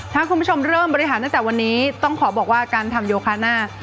ถ้าคุณผู้ชมเริ่มบริหารตั้งแต่วันนี้ต้องขอบอกว่าการทำโยคาหน้า